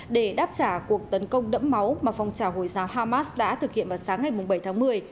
để đáp trả cuộc tấn công đẫm máu mà phong trào hồi giáo hamas đã thực hiện vào sáng ngày bảy tháng một mươi